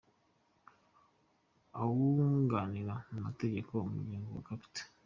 Uwunganira mu mategeko umuryango wa Capt.